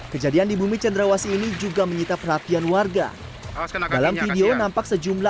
kejadian di bumi cenderawasi ini juga menyita perhatian warga dalam video nampak sejumlah